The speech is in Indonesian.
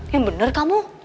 yang bener kamu